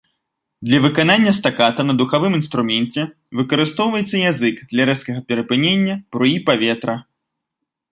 Для выканання стаката на духавым інструменце выкарыстоўваецца язык для рэзкага перапынення бруі паветра.